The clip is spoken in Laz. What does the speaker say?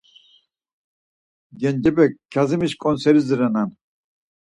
Gencepe Kyazimişi ǩonseris renan.